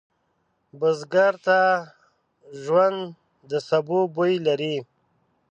بزګر ته ژوند د سبو بوی لري